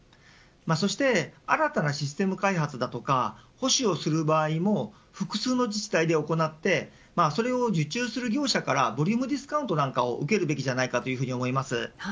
そして新たなシステム開発や保守をする場合も複数の自治体で行ってそれを受注する業者からボリュームディスカウントを受けるべきだと思います。